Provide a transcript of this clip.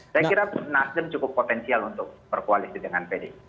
saya kira nasdem cukup potensial untuk berkoalisi dengan pdi